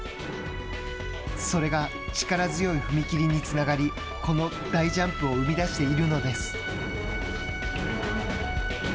それが力強い踏み切りにつながりこの大ジャンプを生み出しているのです。